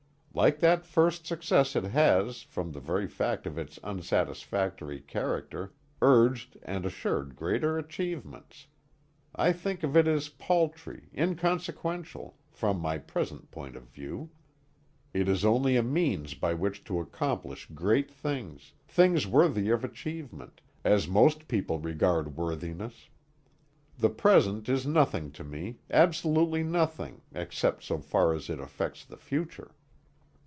Like that first success it has, from the very fact of its unsatisfactory character, urged and assured greater achievements. I think of it as paltry, inconsequential from my present point of view. It is only a means by which to accomplish great things, things worthy of achievement as most people regard worthiness. "The present is nothing to me, absolutely nothing, except so far as it affects the future."